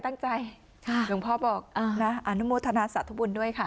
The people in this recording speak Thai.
ตั้งใจหลวงพ่อบอกนะอนุโมทนาสัตว์ธบุญด้วยค่ะ